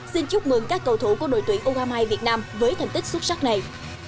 xin chúc mừng các cầu thủ của đội tuyển u hai mươi hai việt nam với thành tích xuất sắc này